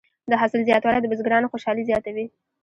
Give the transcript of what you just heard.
د حاصل زیاتوالی د بزګرانو خوشحالي زیاته وي.